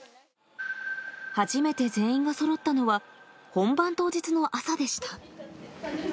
初めて全員がそろったのは、本番当日の朝でした。